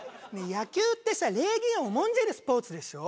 野球ってさ礼儀を重んじるスポーツでしょ？